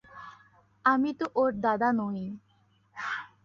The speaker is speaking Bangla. আমি তো ওর দাদা নই।